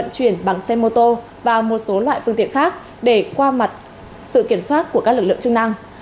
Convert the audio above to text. chuyển bằng xe mô tô vào một số loại phương tiện khác để qua mặt sự kiểm soát của các lực lượng chức năng